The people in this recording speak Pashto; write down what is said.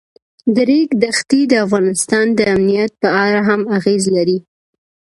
د ریګ دښتې د افغانستان د امنیت په اړه هم اغېز لري.